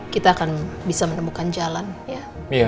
kita akan bisa menemukan jalan ya